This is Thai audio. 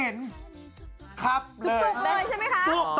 จุกเลยใช่ไหมคะ